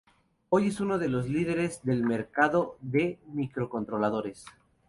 Hoy es uno de los líderes del mercado de microcontroladores.